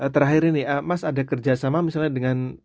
terakhir ini mas ada kerjasama misalnya dengan